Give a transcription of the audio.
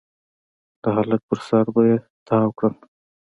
د هلک پر سر به يې تاو کړل.